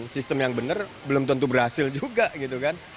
sistem yang benar belum tentu berhasil juga gitu kan